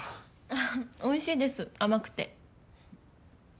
あっおいしいです甘くて。